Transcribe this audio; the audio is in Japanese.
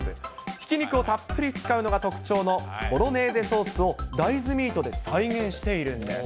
ひき肉をたっぷり使うのが特徴のボロネーゼソースを大豆ミートで再現しているんです。